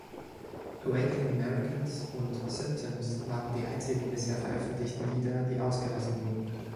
„Awakening Americans“ und „Symptoms“ waren die einzigen bisher veröffentlichten Lieder, die ausgelassen wurden.